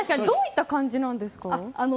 どういった感じなんですか？